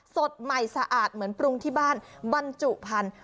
สดใหม่สะอาดเหมือนปรุงที่บ้านบรรจุพันธุ